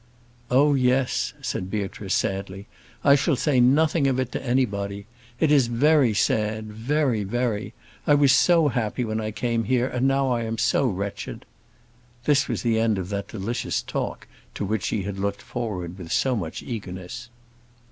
"Oh, yes!" said Beatrice, sadly; "I shall say nothing of it to anybody. It is very sad, very, very; I was so happy when I came here, and now I am so wretched." This was the end of that delicious talk to which she had looked forward with so much eagerness.